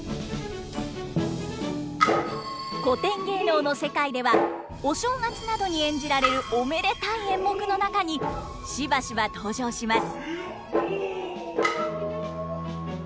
古典芸能の世界ではお正月などに演じられるおめでたい演目の中にしばしば登場します。